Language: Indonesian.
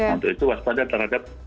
untuk itu puas padaan terhadap